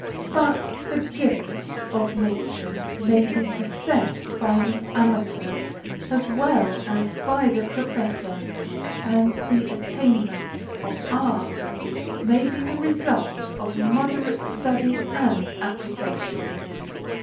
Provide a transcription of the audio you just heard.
But the gifts of nature may be possessed by the amateur as well as by the professor; and the attainments of art may be the result of moderate study and application.